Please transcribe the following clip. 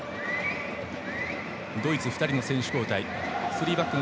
ドイツ、２人の選手交代。